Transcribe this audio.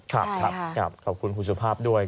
ขอบคุณครูสุภาพด้วย